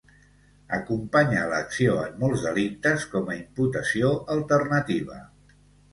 Acompanya l'acció en molts delictes com a imputació alternativa.